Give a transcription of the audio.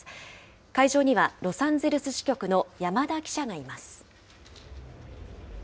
会場にはロサンゼルス支局の山田記者がいます。